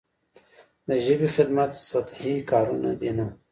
د ژبې خدمت سطحي کارونه دي نه.